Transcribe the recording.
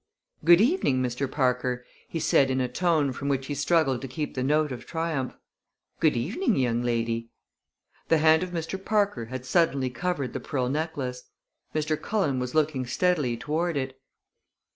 "Good evening, Mr. Parker!" he said in a tone from which he struggled to keep the note of triumph. "Good evening, young lady!" The hand of Mr. Parker had suddenly covered the pearl necklace. Mr. Cullen was looking steadily toward it.